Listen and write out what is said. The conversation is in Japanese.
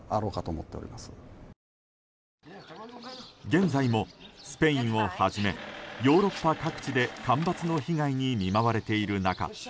現在もスペインをはじめヨーロッパ各地で干ばつの被害に見舞われている中